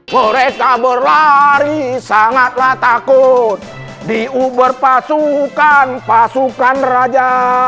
mereka berlari sangatlah takut di uber pasukan pasukan raja